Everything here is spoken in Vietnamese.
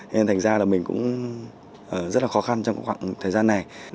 nên thành ra là mình cũng rất là khó khăn trong khoảng thời gian này